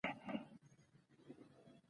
مېلې د ټولني د فکري او فرهنګي پرمختګ وسیله ده.